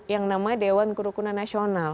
yang namanya dewan kerukunan nasional